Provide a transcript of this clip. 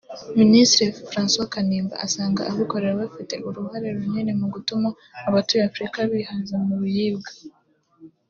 Minisitiri Francois Kanimba asanga abikorera bafite uruhare runini mu gutuma abatuye Afurika bihaza mu biribwa